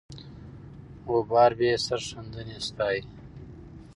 غبار یې سرښندنه ستایي.